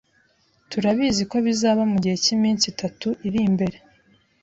Turabizi ko bizaba mugihe cyiminsi itatu iri imbere.